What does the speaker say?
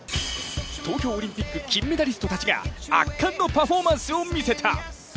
東京オリンピック金メダリストたちが圧巻のパフォーマンスを見せた。